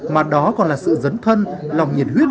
mà đó còn là sự dấn thân lòng nhiệt huyết